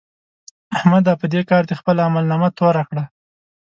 احمده! په دې کار دې خپله عملنامه توره کړه.